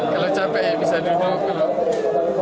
kalau capek ya bisa duduk dulu